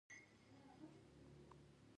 بادرنګ د تودوخې د کمولو لپاره ښه دی.